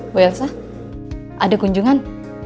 bu elsa ada kunjungan